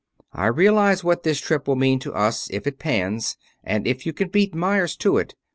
I realize what this trip will mean to us, if it pans, and if you can beat Meyers to it.